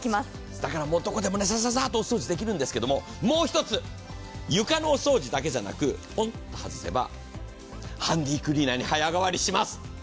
だからどこでもササササッとお掃除できるんですけど、もう一つ、床のお掃除だけじゃなくポンと外せばハンディークリーナーに早変わりします。